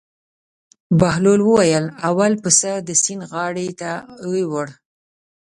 بهلول وویل: اول پسه د سیند غاړې ته وړو.